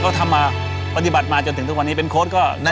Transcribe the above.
ก็ทำมาปฏิบัติมาจนถึงทุกวันนี้เป็นโค้ดก็